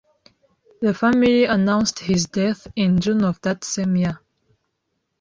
The family announced his death in June of that same year.